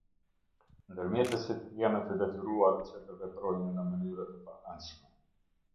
Ndërmjetësit janë të detyruar që të veprojnë në mënyrë të paanshme.